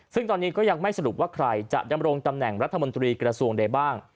ซึ่งตอนนี้ก็ยังไม่สรุปว่าใครจะดำรงตำแหน่งรัฐมนตรีกระทรวงใดบ้าง